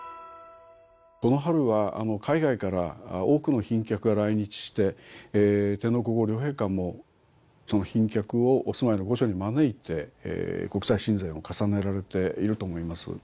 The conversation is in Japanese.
この春は海外から多くの賓客が来日して天皇皇后両陛下も賓客をお住まいの御所に招いて国際親善を重ねられていると思います。